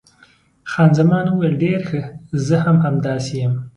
خان زمان وویل، ډېر ښه، زه هم همداسې یم.